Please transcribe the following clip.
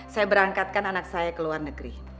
saya berangkatkan anak saya ke luar negeri